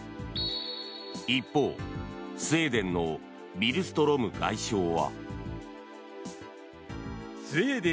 一方、スウェーデンのビルストロム外相は。